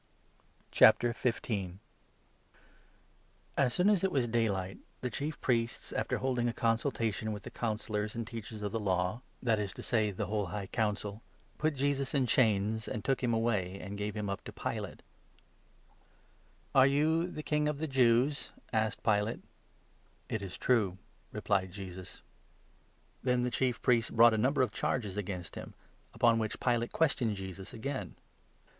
jeaus boforo ^s soon as it was daylight, the Chief Priests, the Roman after holding a consultation with the Councillors Governor. an(j Teachers of the Law— that is to say, the * Ps. no. i ; Dan. 7. 13. MARK, 15. 37 whole High Council — put Jesus in chains, and took him away, and gave him up to Pilate. "Are you the King of the Jews ?" asked Pilate. 2 " It is true," replied Jesus. Then the Chief Priests brought a number of charges against 3 him ; upon which Pilate questioned Jesus again.